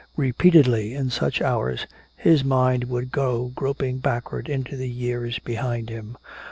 Repeatedly in such hours his mind would go groping backward into the years behind him.